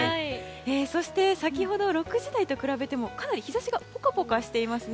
そして、先ほど６時台と比べてもかなり日差しがポカポカしていますね。